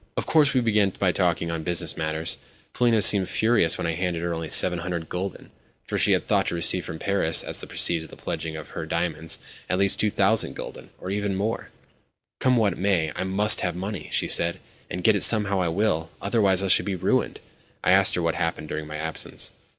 Of course, we began by talking on business matters. Polina seemed furious when I handed her only 700 gülden, for she had thought to receive from Paris, as the proceeds of the pledging of her diamonds, at least 2000 gülden, or even more. "Come what may, I must have money," she said. "And get it somehow I will—otherwise I shall be ruined." I asked her what had happened during my absence.